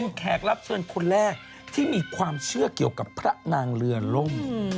เป็นแขกรับเชิญคนแรกที่มีความเชื่อเกี่ยวกับพระนางเรือล่ม